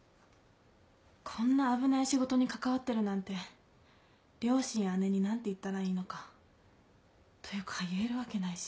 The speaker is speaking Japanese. こんな危ない仕事に関わってるなんて両親や姉に何て言ったらいいのか？というか言えるわけないし。